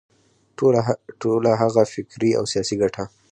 ټوله هغه فکري او سیاسي ګټه.